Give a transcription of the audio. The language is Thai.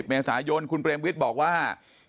๒๐เมษายนคุณเบรมวิทบอกว่า